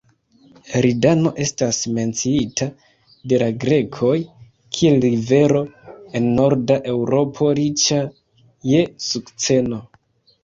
Eridano estas menciita de la grekoj, kiel rivero en norda Eŭropo, riĉa je sukceno.